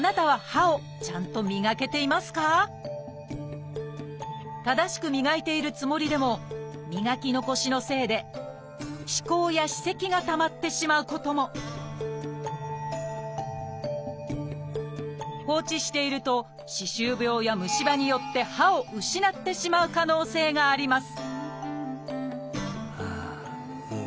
あなたは正しく磨いているつもりでも磨き残しのせいで歯垢や歯石がたまってしまうことも放置していると歯周病や虫歯によって歯を失ってしまう可能性があります